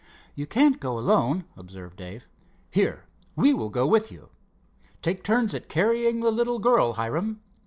"You can't go alone," observed Dave. "Here, we will go with you. Take turns at carrying the little girl, Hiram."